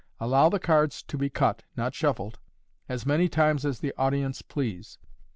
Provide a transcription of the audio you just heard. Allow the cards to be cut (not shuffled) as many times as the audience please.